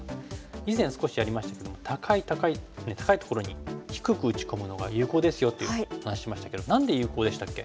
以前少しやりましたけど高い高い高いところに低く打ち込むのが有効ですよっていう話ししましたけど何で有効でしたっけ？